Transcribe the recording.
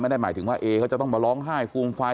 ไม่ได้หมายถึงว่าเอเขาจะต้องมาร้องไห้ฟูมไฟ